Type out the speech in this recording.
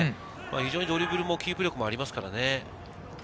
ドリブルもキープ力もありますからね。